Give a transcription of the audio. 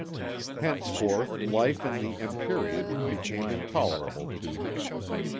Henceforth life in the Empyrean became intolerable to him.